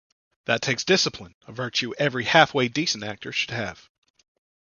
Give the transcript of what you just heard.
That takes discipline, a virtue every halfway decent actor should have.